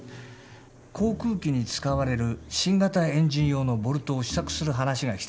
航空機に使われる新型エンジン用のボルトを試作する話が来ています。